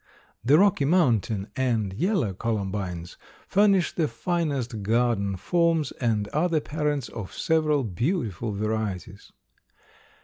The Rocky Mountain and Yellow Columbines furnish the finest garden forms and are the parents of several beautiful varieties.